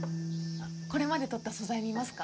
あっこれまで撮った素材見ますか？